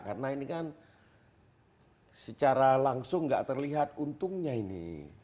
karena ini kan secara langsung nggak terlihat untungnya ini